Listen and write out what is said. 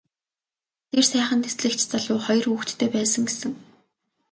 Тэр сайхан дэслэгч залуу хоёр хүүхэдтэй байсан гэсэн.